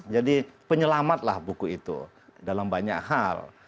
penyelamatlah buku itu dalam banyak hal